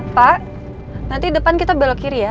pak nanti depan kita belok kiri ya